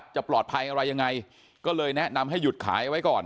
จะปลอดภัยอะไรยังไงก็เลยแนะนำให้หยุดขายเอาไว้ก่อน